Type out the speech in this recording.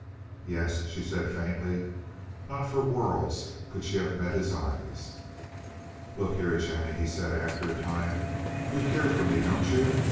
"Yes," she said faintly. Not for worlds could she have met his eyes. "Look here, Jennie," he said, after a time. "You care for me, don't you?